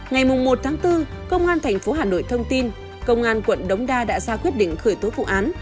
ngày một tháng bốn công an tp hà nội thông tin công an quận đống đa đã ra quyết định khởi tố vụ án